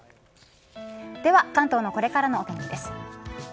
では関東のこれからのお天気です。